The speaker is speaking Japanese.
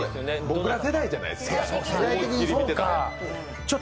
僕ら世代じゃないですか。